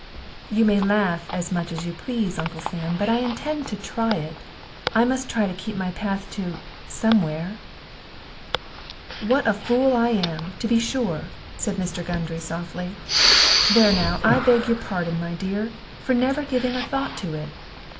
"You may laugh as much as you please, Uncle Sam, but I intend to try it. I must try to keep my path to somewhere." "What a fool I am, to be sure!" said Mr. Gundry, softly. "There, now, I beg your pardon, my dear, for never giving a thought to it.